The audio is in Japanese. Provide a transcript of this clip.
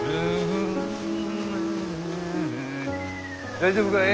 大丈夫かえ？